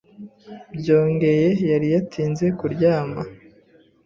byongeye yari yatinze kuryama,